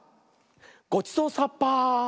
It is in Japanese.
ごちそうさっぱ。